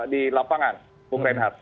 di lapangan bung reinhardt